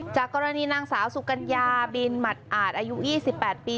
จากกรณีนางสาวสุกัญญาบินหมัดอาจอายุ๒๘ปี